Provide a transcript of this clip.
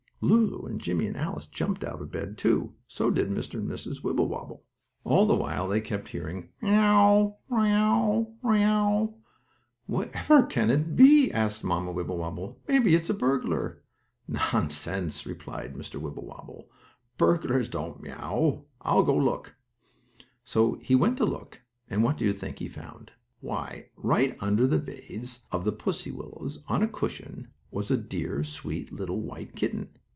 Lulu and Jimmie and Alice jumped out of bed, too. So did Mr. and Mrs. Wibblewobble. All the while they kept hearing that: "Mew! Mew! Mew!" "Whatever can it be?" asked Mamma Wibblewobble. "Maybe it's a burglar." "Nonsense!" replied Mr. Wibblewobble, "burglars don't mew. I'll go look." So he went to look, and what do you think he found? Why, right under a vase of the pussy willows, on a cushion, was a dear, sweet, little white kitten.